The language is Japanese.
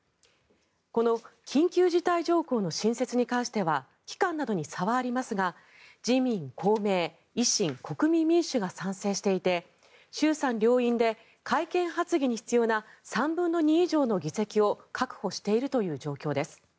この緊急事態条項の新設に関しては期間などに差はありますが自民、公明、維新、国民民主が賛同していて衆参両院で改憲発議に必要な３分の２以上の議席を確保しているという状況です。